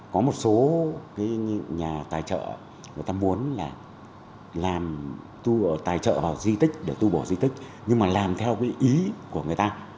có một số cái nhà tài trợ người ta muốn là làm tài trợ vào di tích để tu bổ di tích nhưng mà làm theo cái ý của người ta